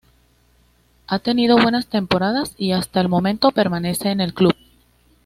Ha tenido buenas temporadas, y hasta el momento, permanece en el club.